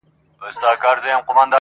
زوړ غزل له نوي تغیراتو سره؟,